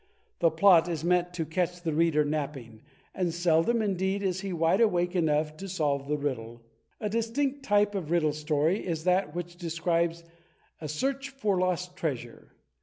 The plot is meant to catch the reader napping, and seldom indeed is he wide awake enough to solve the riddle. A distinct type of Riddle Story is that which describes a search for lost treasure.